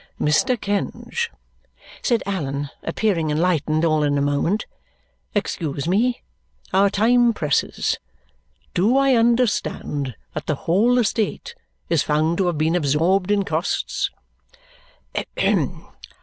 "Mr. Kenge," said Allan, appearing enlightened all in a moment. "Excuse me, our time presses. Do I understand that the whole estate is found to have been absorbed in costs?"